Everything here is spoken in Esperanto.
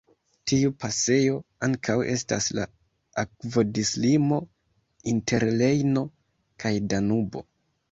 Tiu pasejo ankaŭ estas la akvodislimo inter Rejno kaj Danubo.